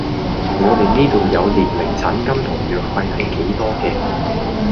我哋呢度有列明診金同藥費係幾多嘅